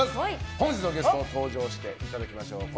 本日のゲストに登場していただきましょう。